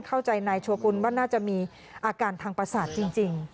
เข้าใจนายโชกุลว่าน่าจะมีอาการทางประสาทจริง